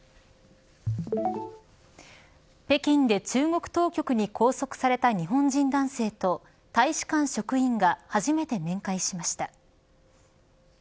北京で中国当局に拘束された日本人男性と大使館職員が初めて面会しました。